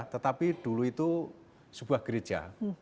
tetapi dulu itu sebuah gereja